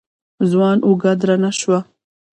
ځوان اوږه درنه شوه.